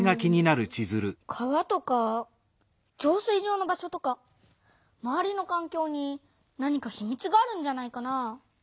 川とか浄水場の場所とかまわりのかんきょうに何かひみつがあるんじゃないかな？